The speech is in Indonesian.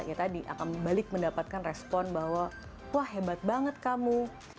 ya tadi akan balik mendapatkan respon bahwa wah hebat banget kamu